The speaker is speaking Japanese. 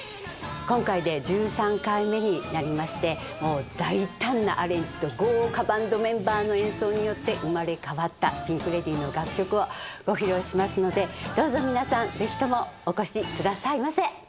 今回で１３回目になりましてもう大胆なアレンジと豪華バンドメンバーの演奏によって生まれ変わったピンク・レディーの楽曲をご披露しますのでどうぞ皆さんぜひともお越しくださいませ。